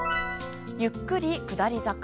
ゆっくり下り坂。